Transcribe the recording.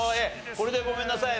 これでごめんなさい。